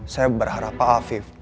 saya berharap pak afif